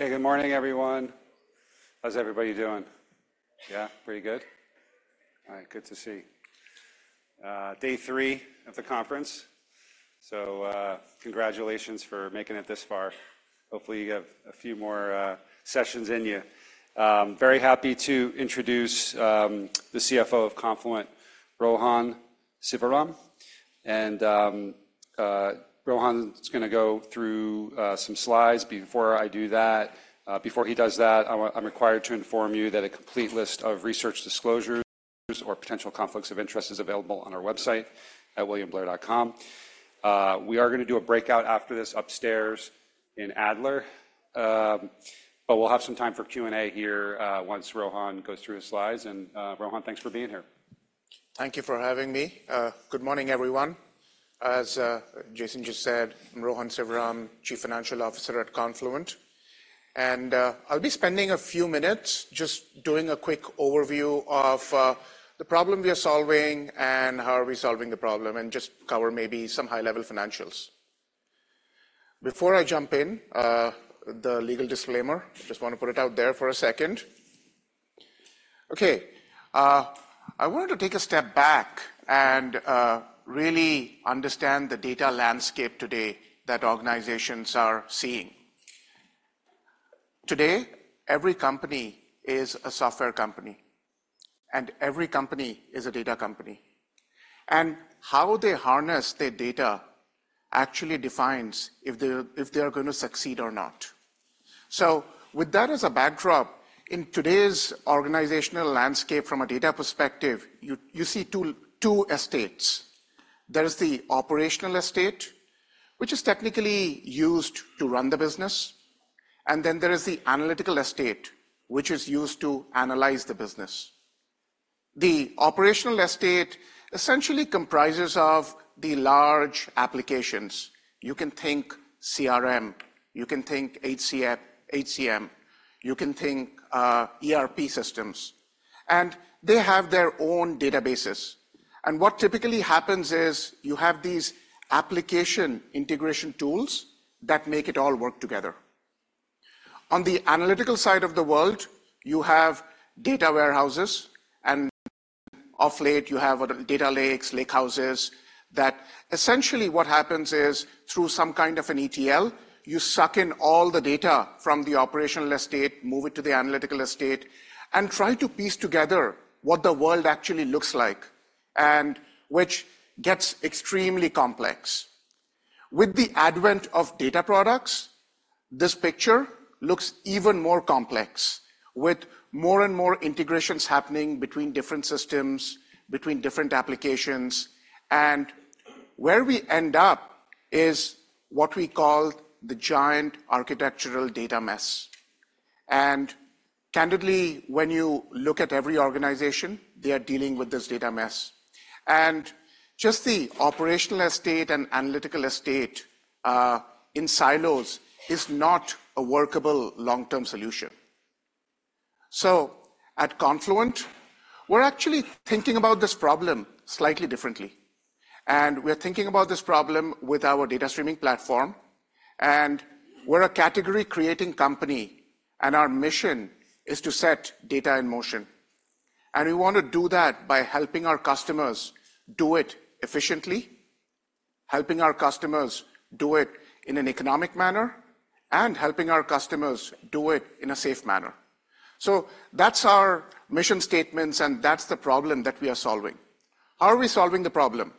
Okay, good morning, everyone. How's everybody doing? Yeah, pretty good? All right, good to see. Day three of the conference, so, congratulations for making it this far. Hopefully, you have a few more sessions in you. Very happy to introduce the CFO of Confluent, Rohan Sivaram. Rohan is gonna go through some slides. Before he does that, I'm required to inform you that a complete list of research disclosures or potential conflicts of interest is available on our website at williamblair.com. We are gonna do a breakout after this upstairs in Adler, but we'll have some time for Q&A here once Rohan goes through his slides. Rohan, thanks for being here. Thank you for having me. Good morning, everyone. As Jason just said, I'm Rohan Sivaram, Chief Financial Officer at Confluent. And, I'll be spending a few minutes just doing a quick overview of, the problem we are solving and how are we solving the problem, and just cover maybe some high-level financials. Before I jump in, the legal disclaimer, just want to put it out there for a second. Okay, I wanted to take a step back and, really understand the data landscape today that organizations are seeing. Today, every company is a software company, and every company is a data company, and how they harness their data actually defines if they, if they are gonna succeed or not. So with that as a backdrop, in today's organizational landscape, from a data perspective, you, you see two, two estates. There is the operational estate, which is technically used to run the business, and then there is the analytical estate, which is used to analyze the business. The operational estate essentially comprises of the large applications. You can think CRM, you can think HCM, HCM, you can think, ERP systems, and they have their own databases. What typically happens is, you have these application integration tools that make it all work together. On the analytical side of the world, you have data warehouses, and of late, you have data lakes, lake houses. That essentially what happens is, through some kind of an ETL, you suck in all the data from the operational estate, move it to the analytical estate, and try to piece together what the world actually looks like, and which gets extremely complex. With the advent of data products, this picture looks even more complex, with more and more integrations happening between different systems, between different applications. And where we end up is what we call the giant architectural data mess. And candidly, when you look at every organization, they are dealing with this data mess. And just the operational estate and analytical estate, in silos is not a workable long-term solution. So at Confluent, we're actually thinking about this problem slightly differently, and we're thinking about this problem with our data streaming platform, and we're a category-creating company, and our mission is to set data in motion. And we want to do that by helping our customers do it efficiently, helping our customers do it in an economic manner, and helping our customers do it in a safe manner. So that's our mission statements, and that's the problem that we are solving. How are we solving the problem?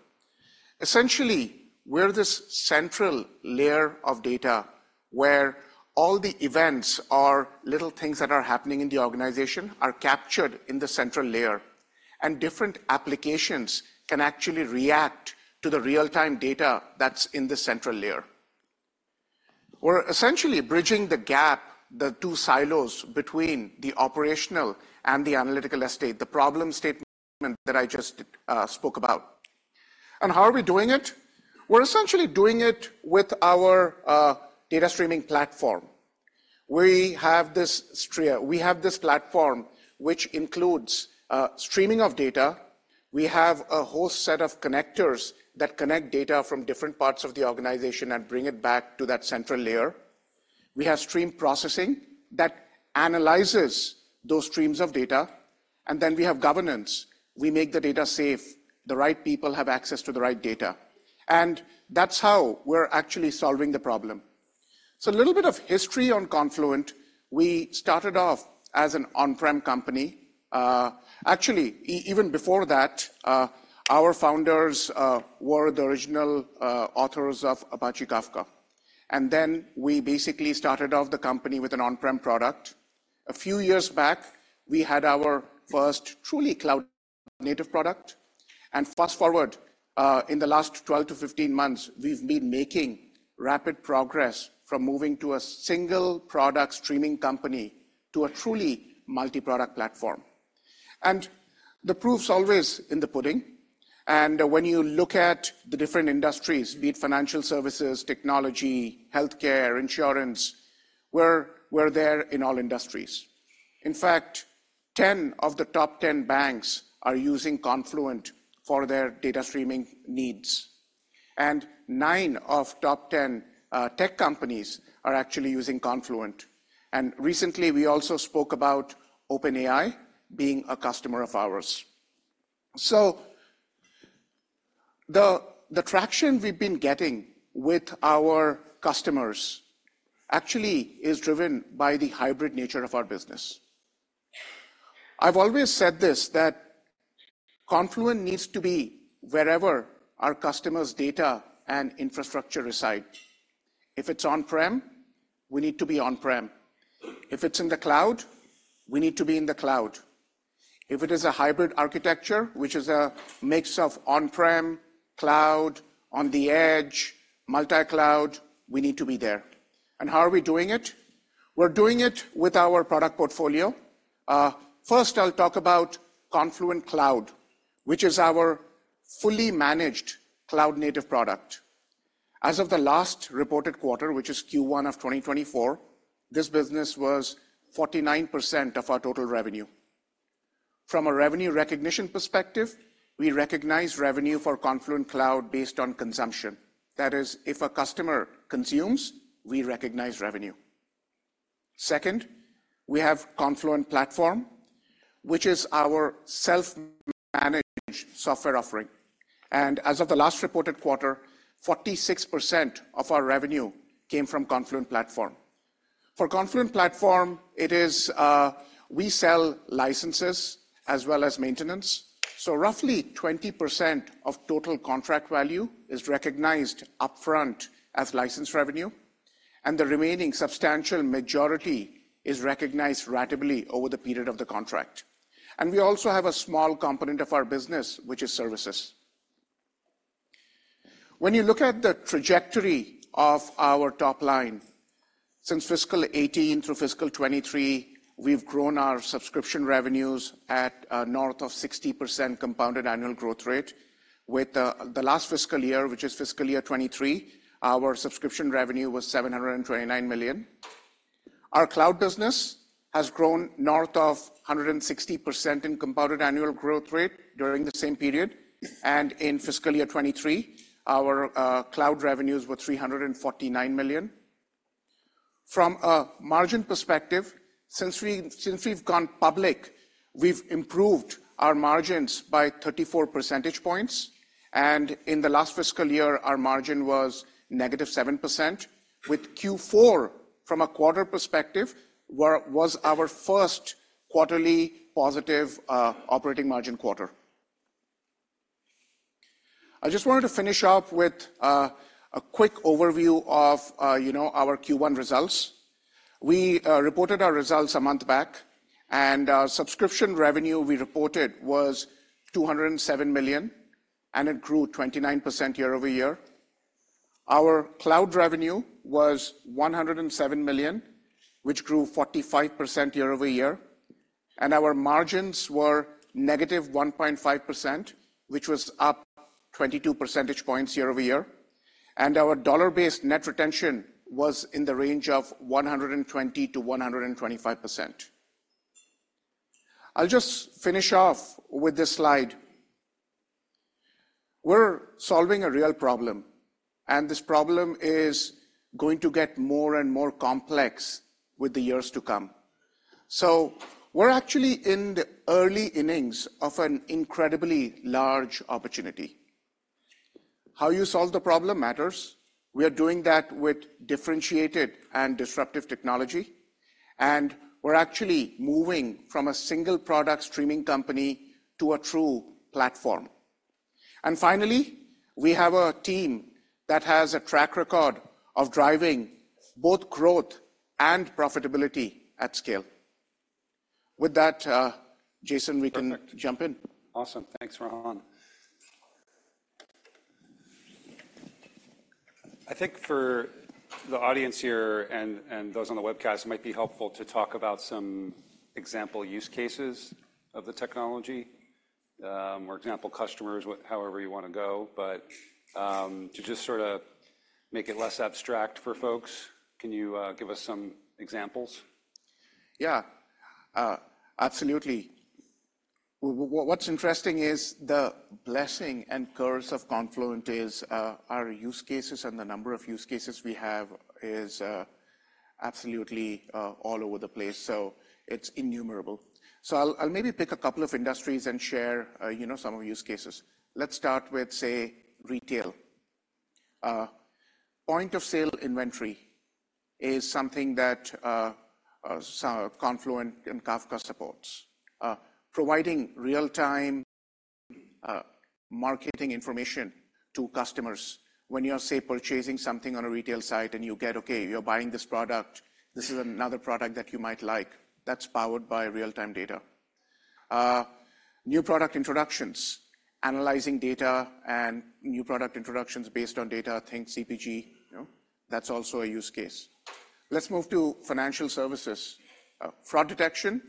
Essentially, we're this central layer of data where all the events or little things that are happening in the organization are captured in the central layer, and different applications can actually react to the real-time data that's in the central layer. We're essentially bridging the gap, the two silos between the operational and the analytical estate, the problem statement that I just spoke about. How are we doing it? We're essentially doing it with our data streaming platform. We have this platform, which includes streaming of data. We have a whole set of connectors that connect data from different parts of the organization and bring it back to that central layer. We have stream processing that analyzes those streams of data, and then we have governance. We make the data safe, the right people have access to the right data, and that's how we're actually solving the problem. So a little bit of history on Confluent. We started off as an on-prem company. Actually, even before that, our founders were the original authors of Apache Kafka, and then we basically started off the company with an on-prem product. A few years back, we had our first truly cloud-native product, and fast-forward, in the last 12 to 15 months, we've been making rapid progress from moving to a single product streaming company to a truly multi-product platform. And the proof's always in the pudding, and when you look at the different industries, be it financial services, technology, healthcare, insurance, we're there in all industries. In fact, 10 of the top 10 banks are using Confluent for their data streaming needs... and 9 of top 10 tech companies are actually using Confluent. And recently, we also spoke about OpenAI being a customer of ours. So the traction we've been getting with our customers actually is driven by the hybrid nature of our business. I've always said this, that Confluent needs to be wherever our customers' data and infrastructure reside. If it's on-prem, we need to be on-prem. If it's in the cloud, we need to be in the cloud. If it is a hybrid architecture, which is a mix of on-prem, cloud, on the edge, multi-cloud, we need to be there. And how are we doing it? We're doing it with our product portfolio. First, I'll talk about Confluent Cloud, which is our fully managed cloud-native product. As of the last reported quarter, which is Q1 of 2024, this business was 49% of our total revenue. From a revenue recognition perspective, we recognize revenue for Confluent Cloud based on consumption. That is, if a customer consumes, we recognize revenue. Second, we have Confluent Platform, which is our self-managed software offering, and as of the last reported quarter, 46% of our revenue came from Confluent Platform. For Confluent Platform, it is, we sell licenses as well as maintenance, so roughly 20% of total contract value is recognized upfront as licensed revenue, and the remaining substantial majority is recognized ratably over the period of the contract. And we also have a small component of our business, which is services. When you look at the trajectory of our top line, since fiscal 2018 through fiscal 2023, we've grown our subscription revenues at north of 60% compounded annual growth rate, with the last fiscal year, which is fiscal year 2023, our subscription revenue was $729 million. Our cloud business has grown north of 160% in compounded annual growth rate during the same period, and in fiscal year 2023, our cloud revenues were $349 million. From a margin perspective, since we've gone public, we've improved our margins by 34 percentage points, and in the last fiscal year, our margin was -7%, with Q4, from a quarter perspective, was our first quarterly positive operating margin quarter. I just wanted to finish up with a quick overview of, you know, our Q1 results. We reported our results a month back, and our subscription revenue we reported was $207 million, and it grew 29% year-over-year. Our cloud revenue was $107 million, which grew 45% year-over-year, and our margins were negative 1.5%, which was up 22 percentage points year-over-year, and our dollar-based net retention was in the range of 120%-125%. I'll just finish off with this slide. We're solving a real problem, and this problem is going to get more and more complex with the years to come. So we're actually in the early innings of an incredibly large opportunity. How you solve the problem matters. We are doing that with differentiated and disruptive technology, and we're actually moving from a single product streaming company to a true platform. And finally, we have a team that has a track record of driving both growth and profitability at scale. With that, Jason, we can- Perfect. - Jump in. Awesome. Thanks, Rohan. I think for the audience here and those on the webcast, it might be helpful to talk about some example use cases of the technology, or example customers with however you wanna go. But to just sorta make it less abstract for folks, can you give us some examples? Yeah. Absolutely. What's interesting is the blessing and curse of Confluent is, our use cases and the number of use cases we have is, absolutely, all over the place, so it's innumerable. So I'll maybe pick a couple of industries and share, you know, some of the use cases. Let's start with, say, retail. Point of sale inventory is something that, so Confluent and Kafka supports. Providing real-time marketing information to customers. When you are, say, purchasing something on a retail site, and you get, "Okay, you're buying this product, this is another product that you might like," that's powered by real-time data. New product introductions, analyzing data, and new product introductions based on data, think CPG, you know, that's also a use case. Let's move to financial services. Fraud detection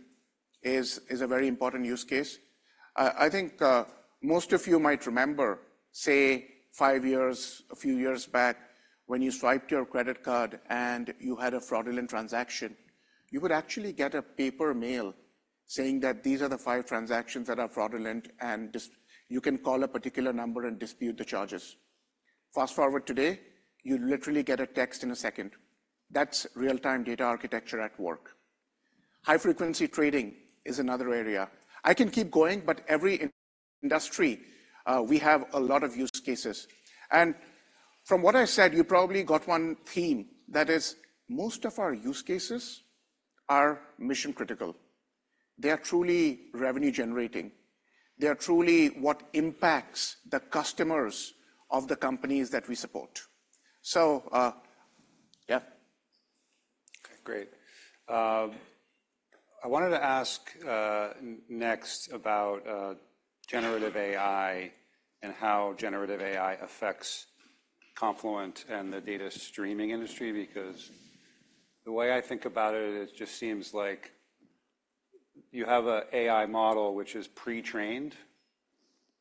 is a very important use case. I think most of you might remember, say, five years, a few years back, when you swiped your credit card and you had a fraudulent transaction, you would actually get a paper mail saying that these are the five transactions that are fraudulent, and just you can call a particular number and dispute the charges. Fast-forward today, you literally get a text in a second. That's real-time data architecture at work. High-frequency trading is another area. I can keep going, but every industry, we have a lot of use cases. And from what I said, you probably got one theme, that is, most of our use cases are mission-critical. They are truly revenue-generating. They are truly what impacts the customers of the companies that we support. So, yeah. Okay, great. I wanted to ask, next about, generative AI and how generative AI affects Confluent and the data streaming industry, because the way I think about it, it just seems like you have a AI model which is pre-trained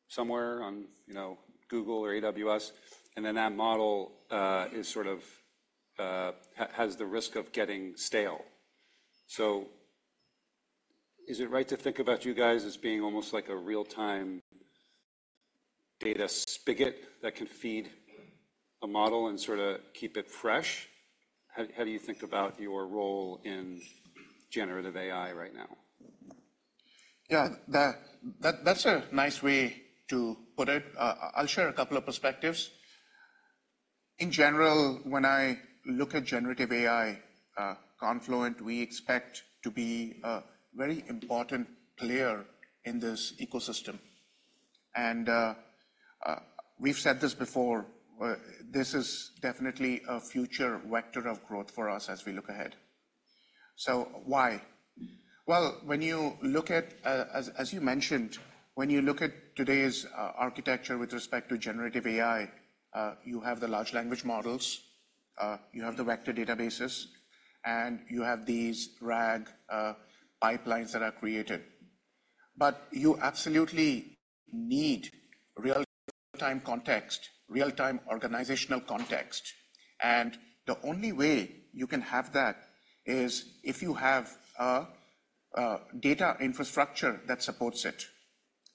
somewhere on, you know, Google or AWS, and then that model, is sort of, has the risk of getting stale. So is it right to think about you guys as being almost like a real-time data spigot that can feed a model and sort of keep it fresh? How do you think about your role in generative AI right now? Yeah, that's a nice way to put it. I'll share a couple of perspectives. In general, when I look at generative AI, Confluent, we expect to be a very important player in this ecosystem. We've said this before, this is definitely a future vector of growth for us as we look ahead. So why? Well, when you look at, as you mentioned, when you look at today's architecture with respect to generative AI, you have the large language models, you have the vector databases, and you have these RAG pipelines that are created. But you absolutely need real-time context, real-time organizational context, and the only way you can have that is if you have a data infrastructure that supports it,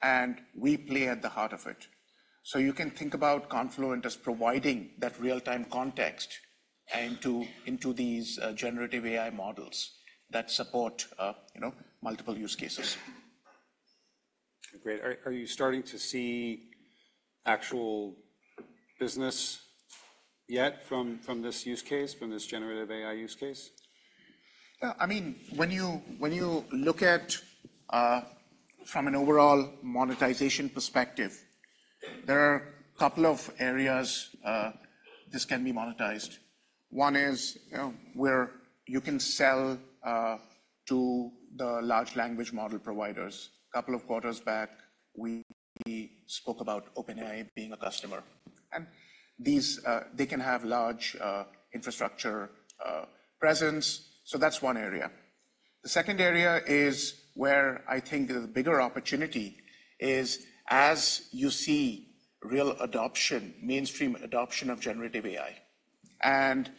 and we play at the heart of it. You can think about Confluent as providing that real-time context into these generative AI models that support, you know, multiple use cases. Great. Are you starting to see actual business yet from this use case, from this generative AI use case? Yeah, I mean, when you, when you look at, from an overall monetization perspective, there are a couple of areas, this can be monetized. One is, you know, where you can sell, to the large language model providers. A couple of quarters back, we spoke about OpenAI being a customer, and these, they can have large, infrastructure, presence. So that's one area. The second area is where I think the bigger opportunity is as you see real adoption, mainstream adoption of generative AI. And,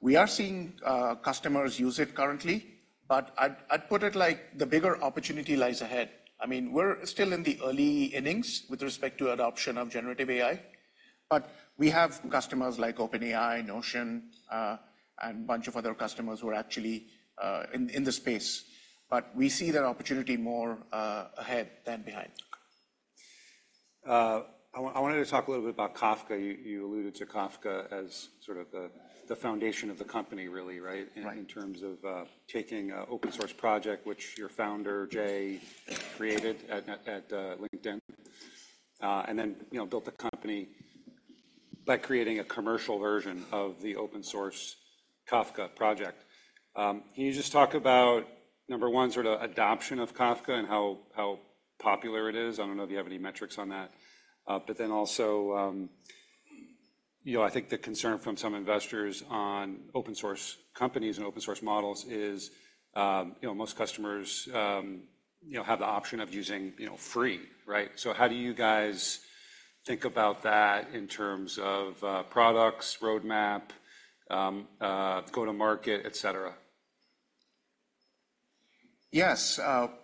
we are seeing, customers use it currently, but I'd, I'd put it like the bigger opportunity lies ahead. I mean, we're still in the early innings with respect to adoption of generative AI, but we have customers like OpenAI, Notion, and a bunch of other customers who are actually, in, in the space. We see that opportunity more ahead than behind. I wanted to talk a little bit about Kafka. You alluded to Kafka as sort of the foundation of the company, really, right? Right. In terms of taking an open source project, which your founder, Jay, created at LinkedIn, and then, you know, built the company by creating a commercial version of the open source Kafka project. Can you just talk about, number one, sort of adoption of Kafka and how popular it is? I don't know if you have any metrics on that. But then also, you know, I think the concern from some investors on open source companies and open source models is, you know, most customers, you know, have the option of using, you know, free, right? So how do you guys think about that in terms of products, roadmap, go-to-market, et cetera? Yes,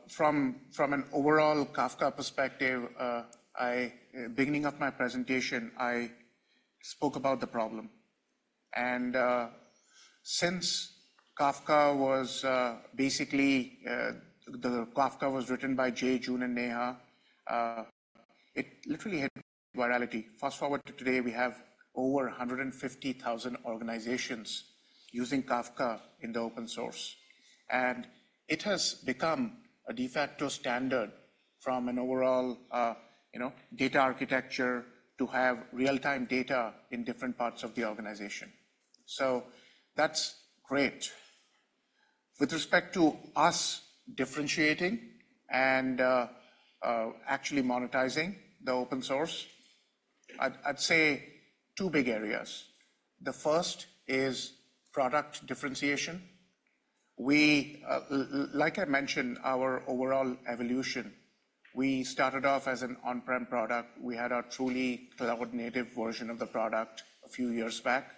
from an overall Kafka perspective, beginning of my presentation, I spoke about the problem. And, since Kafka was, basically, the Kafka was written by Jay, Jun, and Neha, it literally had virality. Fast-forward to today, we have over 150,000 organizations using Kafka in the open source, and it has become a de facto standard from an overall, you know, data architecture to have real-time data in different parts of the organization. So that's great. With respect to us differentiating and, actually monetizing the open source, I'd say two big areas. The first is product differentiation. We, like I mentioned, our overall evolution, we started off as an on-prem product. We had our truly cloud-native version of the product a few years back....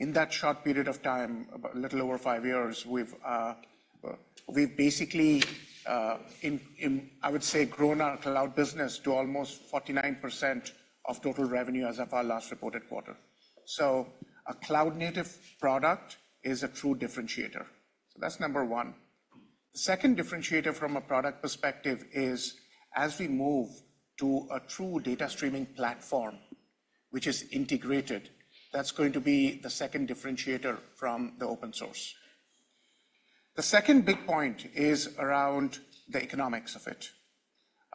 In that short period of time, about a little over five years, we've basically, in I would say, grown our cloud business to almost 49% of total revenue as of our last reported quarter. So a cloud-native product is a true differentiator. So that's number one. The second differentiator from a product perspective is as we move to a true data streaming platform, which is integrated, that's going to be the second differentiator from the open source. The second big point is around the economics of it.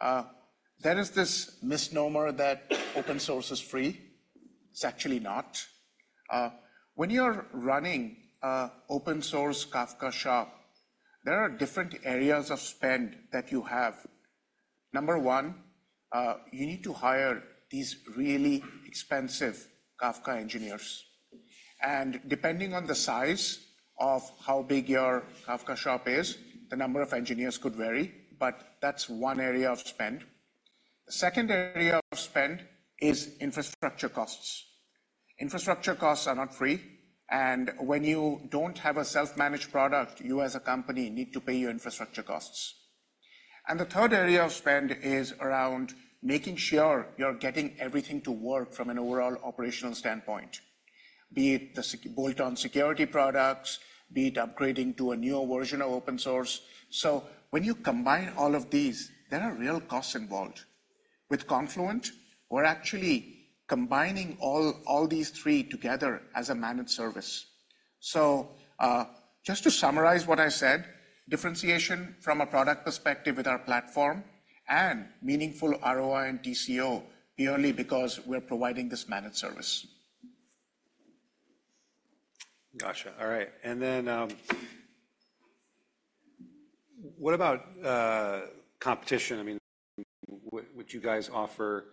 There is this misnomer that open source is free. It's actually not. When you're running an open source Kafka shop, there are different areas of spend that you have. Number one, you need to hire these really expensive Kafka engineers, and depending on the size of how big your Kafka shop is, the number of engineers could vary, but that's one area of spend. The second area of spend is infrastructure costs. Infrastructure costs are not free, and when you don't have a self-managed product, you as a company need to pay your infrastructure costs. And the third area of spend is around making sure you're getting everything to work from an overall operational standpoint, be it the bolt-on security products, be it upgrading to a newer version of open source. So when you combine all of these, there are real costs involved. With Confluent, we're actually combining all, all these three together as a managed service. Just to summarize what I said, differentiation from a product perspective with our platform and meaningful ROI and TCO, purely because we're providing this managed service. Gotcha. All right. And then, what about competition? I mean, what you guys offer,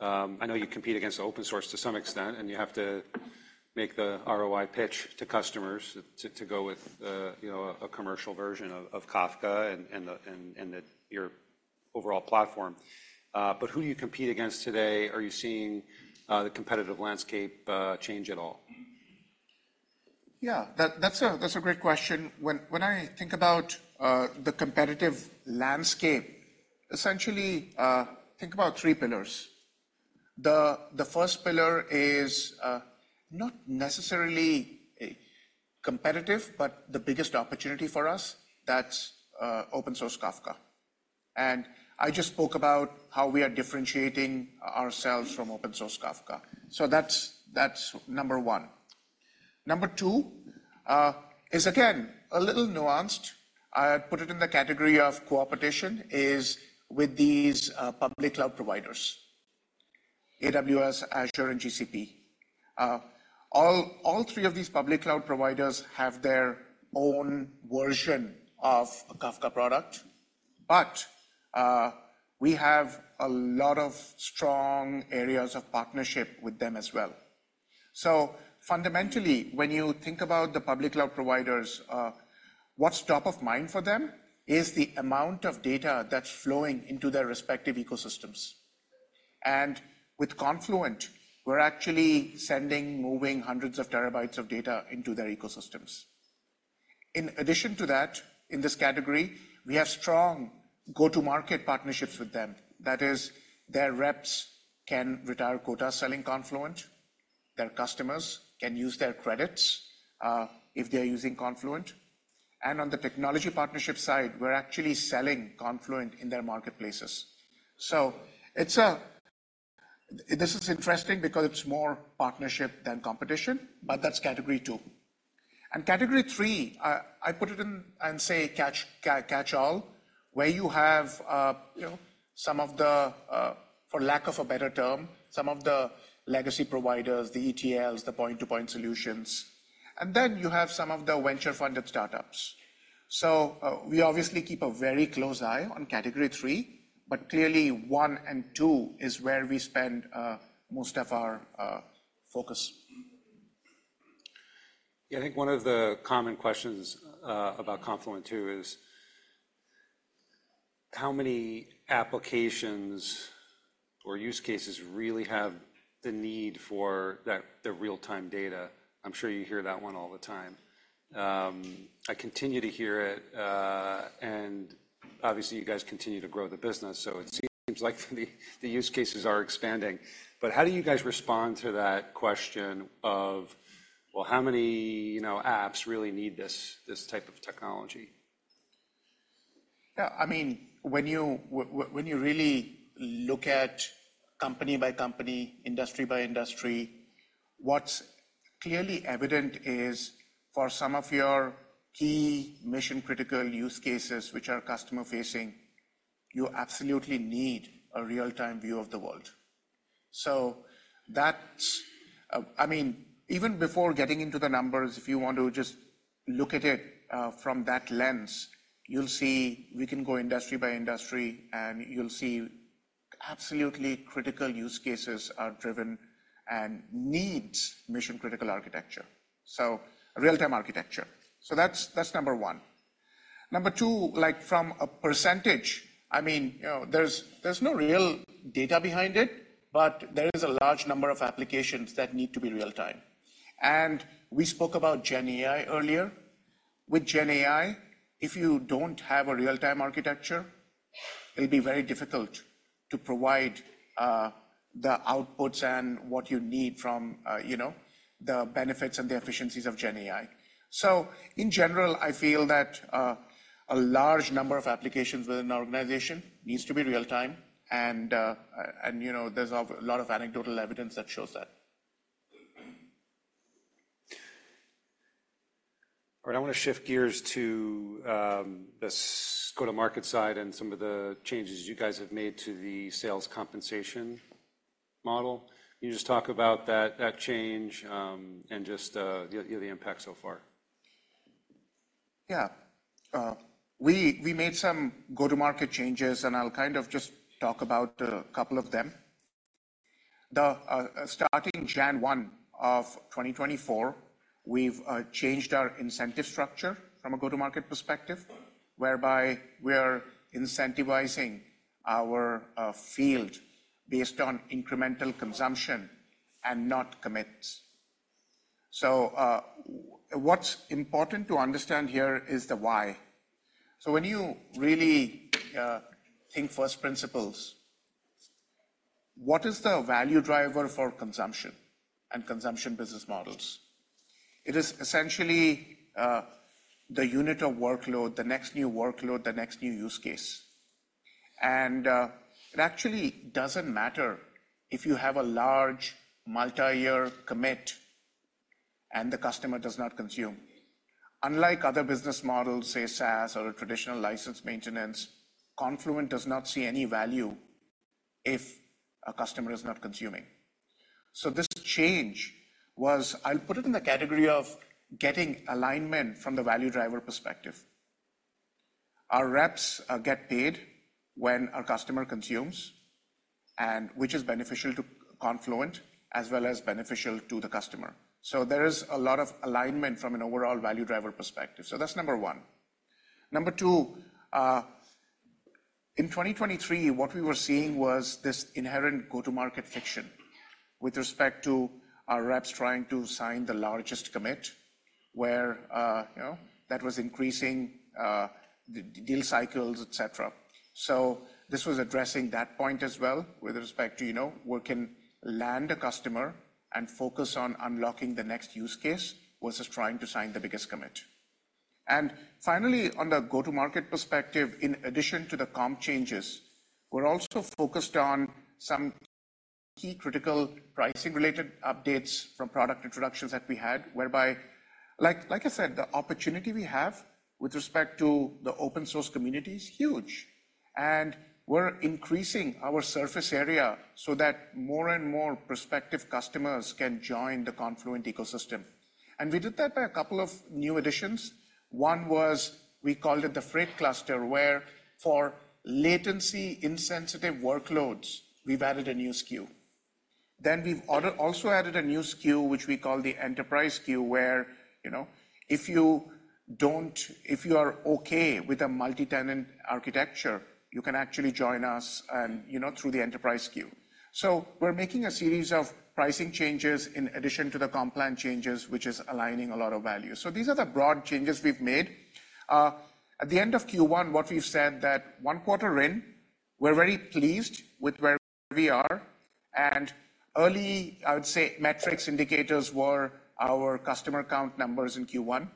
I know you compete against open source to some extent, and you have to make the ROI pitch to customers to go with, you know, a commercial version of Kafka and your overall platform. But who do you compete against today? Are you seeing the competitive landscape change at all? Yeah, that's a great question. When I think about the competitive landscape, essentially, think about three pillars. The first pillar is not necessarily a competitive, but the biggest opportunity for us, that's open source Kafka. And I just spoke about how we are differentiating ourselves from open source Kafka. So that's number one. Number two is again a little nuanced. I put it in the category of cooperation, is with these public cloud providers, AWS, Azure, and GCP. All three of these public cloud providers have their own version of a Kafka product, but we have a lot of strong areas of partnership with them as well. So fundamentally, when you think about the public cloud providers, what's top of mind for them is the amount of data that's flowing into their respective ecosystems. With Confluent, we're actually sending, moving hundreds of terabytes of data into their ecosystems. In addition to that, in this category, we have strong go-to-market partnerships with them. That is, their reps can retire quota selling Confluent, their customers can use their credits, if they're using Confluent, and on the technology partnership side, we're actually selling Confluent in their marketplaces. So it's a-- this is interesting because it's more partnership than competition, but that's category two. Category three, I put it in and say, catchall, where you have, you know, some of the, for lack of a better term, some of the legacy providers, the ETLs, the point-to-point solutions, and then you have some of the venture-funded startups. So, we obviously keep a very close eye on category three, but clearly, one and two is where we spend most of our focus. Yeah, I think one of the common questions about Confluent, too, is how many applications or use cases really have the need for that, the real-time data? I'm sure you hear that one all the time. I continue to hear it, and obviously, you guys continue to grow the business, so it seems like the use cases are expanding. But how do you guys respond to that question of, well, how many, you know, apps really need this, this type of technology? Yeah, I mean, when you really look at company by company, industry by industry, what's clearly evident is for some of your key mission-critical use cases, which are customer-facing, you absolutely need a real-time view of the world. So that's, I mean, even before getting into the numbers, if you want to just look at it, from that lens, you'll see we can go industry by industry, and you'll see absolutely critical use cases are driven and needs mission-critical architecture. So real-time architecture. So that's, that's number one. Number two, like from a percentage, I mean, you know, there's, there's no real data behind it, but there is a large number of applications that need to be real time. And we spoke about GenAI earlier. With GenAI, if you don't have a real-time architecture, it'll be very difficult to provide the outputs and what you need from, you know, the benefits and the efficiencies of GenAI. So in general, I feel that a large number of applications within an organization needs to be real time, and, you know, there's a lot of anecdotal evidence that shows that. All right, I want to shift gears to the go-to-market side and some of the changes you guys have made to the sales compensation model. Can you just talk about that, that change, and just the impact so far? Yeah. We, we made some go-to-market changes, and I'll kind of just talk about a couple of them. The, starting January 1, 2024, we've changed our incentive structure from a go-to-market perspective, whereby we are incentivizing our, field based on incremental consumption and not commits. So, what's important to understand here is the why. So when you really, think first principles, what is the value driver for consumption and consumption business models? It is essentially, the unit of workload, the next new workload, the next new use case. And, it actually doesn't matter if you have a large multi-year commit and the customer does not consume. Unlike other business models, say, SaaS or a traditional license maintenance, Confluent does not see any value if a customer is not consuming. So this change was... I'll put it in the category of getting alignment from the value driver perspective. Our reps get paid when our customer consumes, and which is beneficial to Confluent as well as beneficial to the customer. So there is a lot of alignment from an overall value driver perspective. So that's number one. Number two, in 2023, what we were seeing was this inherent go-to-market fiction with respect to our reps trying to sign the largest commit, where, you know, that was increasing the deal cycles, etc. So this was addressing that point as well with respect to, you know, we can land a customer and focus on unlocking the next use case versus trying to sign the biggest commit. And finally, on the go-to-market perspective, in addition to the comp changes, we're also focused on some key critical pricing-related updates from product introductions that we had, whereby, like I said, the opportunity we have with respect to the open-source community is huge, and we're increasing our surface area so that more and more prospective customers can join the Confluent ecosystem. And we did that by a couple of new additions. One was, we called it the Freight cluster, where for latency-insensitive workloads, we've added a new SKU. Then we've also added a new SKU, which we call the Enterprise SKU, where, you know, if you are okay with a multi-tenant architecture, you can actually join us and, you know, through the Enterprise SKU. So we're making a series of pricing changes in addition to the comp plan changes, which is aligning a lot of value. So these are the broad changes we've made. At the end of Q1, what we've said that one quarter in, we're very pleased with where we are, and early, I would say, metrics indicators were our customer count numbers in Q1.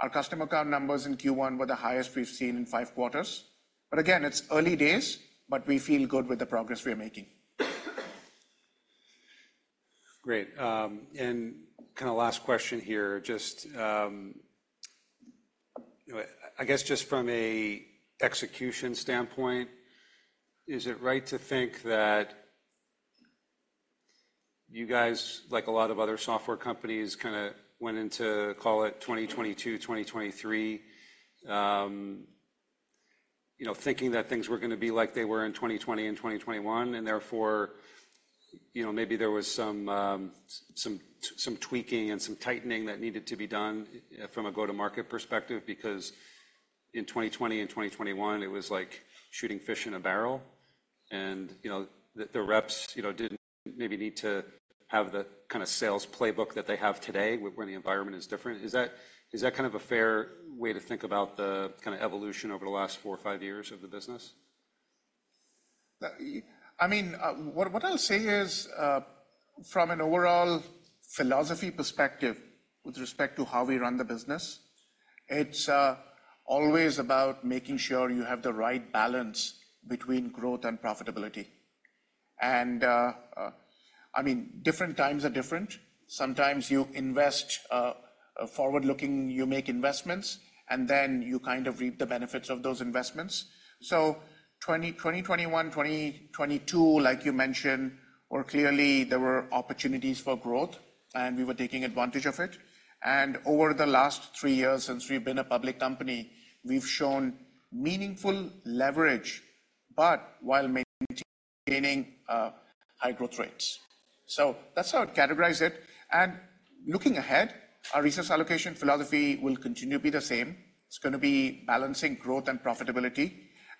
Our customer count numbers in Q1 were the highest we've seen in five quarters. But again, it's early days, but we feel good with the progress we are making. Great. And kind of last question here, just, you know, I guess just from a execution standpoint, is it right to think that you guys, like a lot of other software companies, kind of went into, call it 2022, 2023, you know, thinking that things were going to be like they were in 2020 and 2021, and therefore, you know, maybe there was some tweaking and some tightening that needed to be done from a go-to-market perspective, because in 2020 and 2021, it was like shooting fish in a barrel. And, you know, the reps, you know, didn't maybe need to have the kind of sales playbook that they have today where when the environment is different. Is that, is that kind of a fair way to think about the kind of evolution over the last four or five years of the business? I mean, what, what I'll say is, from an overall philosophy perspective with respect to how we run the business, it's always about making sure you have the right balance between growth and profitability. I mean, different times are different. Sometimes you invest, a forward-looking, you make investments, and then you kind of reap the benefits of those investments. So 2020, 2021, 2022, like you mentioned, were clearly opportunities for growth, and we were taking advantage of it. And over the last three years, since we've been a public company, we've shown meaningful leverage, but while maintaining high growth rates. So that's how I'd categorize it. And looking ahead, our resource allocation philosophy will continue to be the same. It's going to be balancing growth and profitability,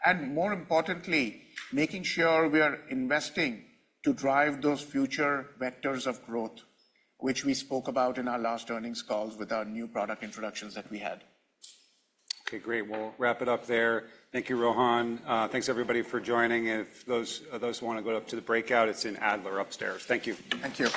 and more importantly, making sure we are investing to drive those future vectors of growth, which we spoke about in our last earnings calls with our new product introductions that we had. Okay, great. We'll wrap it up there. Thank you, Rohan. Thanks, everybody, for joining. If those who want to go up to the breakout, it's in Adler upstairs. Thank you. Thank you.